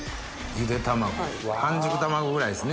ゆで卵半熟卵ぐらいですね。